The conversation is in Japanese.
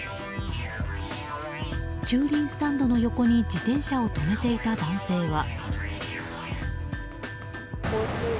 駐輪スタンドの横に自転車を止めていた男性は。